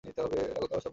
আল্লাহ তাআলাই সর্বজ্ঞ।